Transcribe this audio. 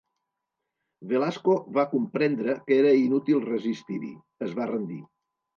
Velasco va comprendre que era inútil resistir-hi es va rendir.